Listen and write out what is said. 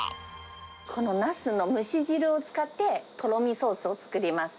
このナスの蒸し汁を使って、とろみソースを作ります。